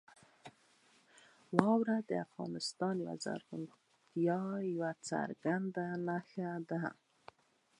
واوره د افغانستان د زرغونتیا یوه څرګنده نښه ده.